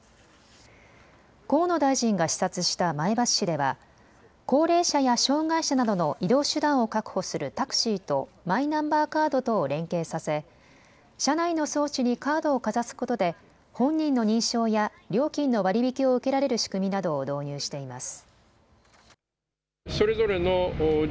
河野大臣が視察した前橋市では高齢者や障害者などの移動手段を確保するタクシーとマイナンバーカードとを連携させ車内の装置にカードをかざすことで本人の認証や料金の割り引きを受けられる仕組みなどを導入しています。